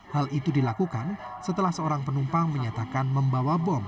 hal itu dilakukan setelah seorang penumpang menyatakan membawa bom